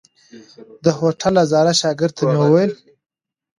د هوټل هزاره شاګرد ته مې وويل.